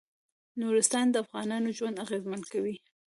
نورستان د افغانانو ژوند اغېزمن کوي.